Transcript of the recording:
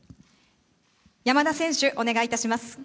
山田選手、お願いいたします。